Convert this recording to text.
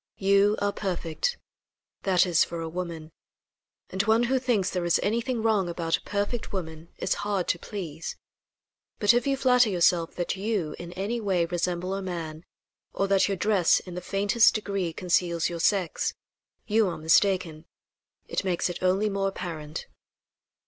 You are perfect that is, for a woman; and one who thinks there is anything wrong about a perfect woman is hard to please. But if you flatter yourself that you, in any way, resemble a man, or that your dress in the faintest degree conceals your sex, you are mistaken. It makes it only more apparent."